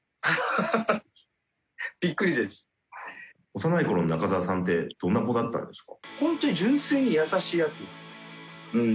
幼いころの中澤さんってどんな子だったんですか？